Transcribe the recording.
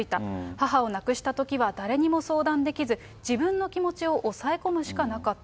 母を亡くしたときは誰にも相談できず、自分の気持ちを抑え込むしかなかった。